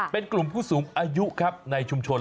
เป็นกลุ่มผู้สูงอายุครับในชุมชน